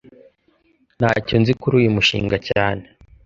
Ntacyo nzi kuri uyu mushinga cyane